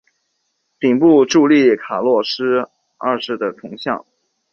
顶部矗立卡洛斯二世的铜像。